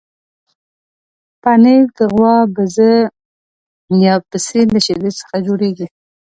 پنېر د غوا، بزه یا پسې له شیدو جوړېږي.